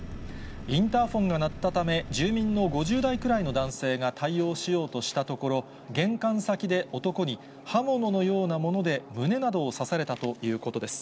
インターホンが鳴ったため、住民の５０代くらいの男性が対応しようとしたところ、玄関先で男に刃物のようなもので胸などを刺されたということです。